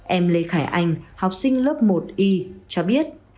em lê khải anh học sinh lớp một y cho biết